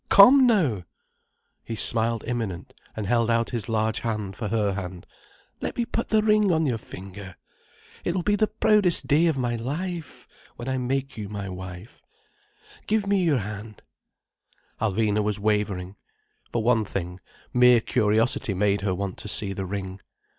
Come now!" He smiled imminent, and held out his large hand for her hand. "Let me put the ring on your finger. It will be the proudest day of my life when I make you my wife. Give me your hand—" Alvina was wavering. For one thing, mere curiosity made her want to see the ring.